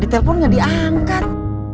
dia telepon gak diangkat